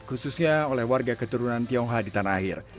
khususnya oleh warga keturunan tiongha di tanah akhir